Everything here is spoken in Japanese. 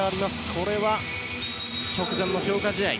これは直前の強化試合。